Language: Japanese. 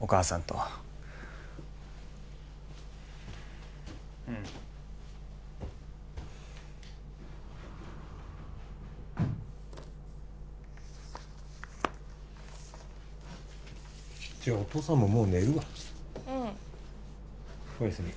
お母さんとうんじゃあお父さんももう寝るわうん